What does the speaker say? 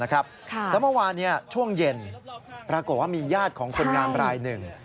แล้วเมื่อวานช่วงเย็นปรากฏว่ามีญาติของคนงานรายหนึ่ง